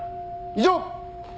以上！